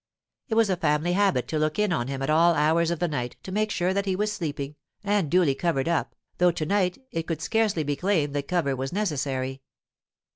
It was a family habit to look in on him at all hours of the night to make sure that he was sleeping and duly covered up, though to night it could scarcely be claimed that cover was necessary.